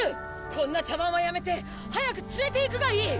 こんな茶番はやめて早く連れていくがいい！